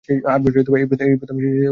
আট বছরে এই প্রথম সে ড্রোভ মিস করেছে।